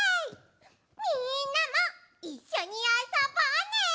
みんなもいっしょにあそぼうね！